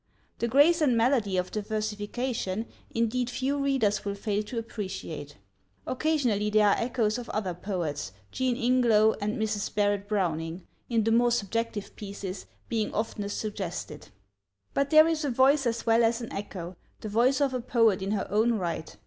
The grace and melody of the versification, indeed, few readers will fail to appreciate. Occasionally there are echoes of other poets Jean Ingelow and Mrs. Barrett Browning, in the more subjective pieces, being oftenest suggested. But there is a voice as well as an echo the voice of a poet in her own right.